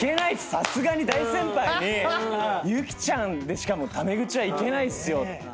さすがに大先輩にゆきちゃんでしかもタメ口はいけないっすよって。